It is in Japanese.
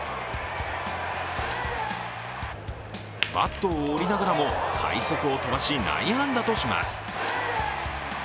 バットを折りながらも快足を飛ばし、内野安打とします。